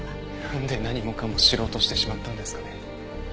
なんで何もかも知ろうとしてしまったんですかね。